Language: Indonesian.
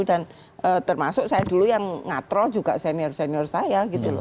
dan termasuk saya dulu yang ngatro juga senior senior saya gitu loh